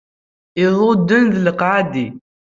Iḍudan d leqɛadi.